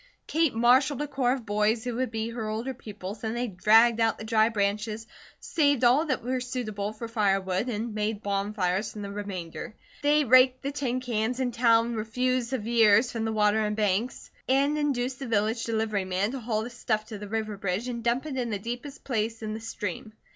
Kate marshalled a corps of boys who would be her older pupils and they dragged out the dry branches, saved all that were suitable for firewood, and made bonfires from the remainder. They raked the tin cans and town refuse of years from the water and banks and induced the village delivery man to haul the stuff to the river bridge and dump it in the deepest place in the stream.